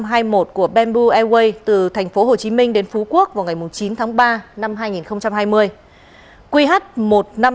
qh một nghìn năm trăm hai mươi một của bamboo airways từ tp hcm đến phú quốc vào ngày chín tháng ba năm hai nghìn hai mươi